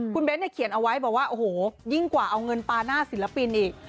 คุณเบ้นเนี่ยเขียนเอาไว้บอกว่าโอ้โหยิ่งกว่าเอาเงินปาหน้าศิลปินอีก